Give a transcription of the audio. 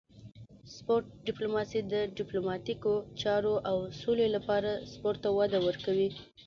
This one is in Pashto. سپورت ډیپلوماسي د ډیپلوماتیکو چارو او سولې لپاره سپورت ته وده ورکوي